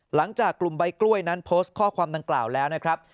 หลังจากกลุ่มใบกล้วยนั้นโพสต์ข้อความดังกล่าวแล้วนะครับ